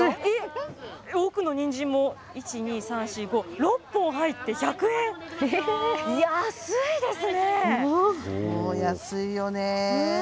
奥のニンジンも、１、２、３、４、５、６本入って１００円、安いで安いよね。